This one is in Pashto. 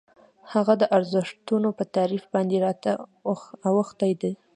هغه د ارزښتونو په تعریف باندې راته اوښتي.